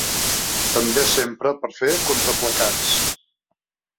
També s'empra per fer contraplacats.